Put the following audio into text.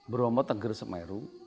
bromo tengger semeru